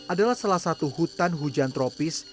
adalah salah satu hutan hujan tropis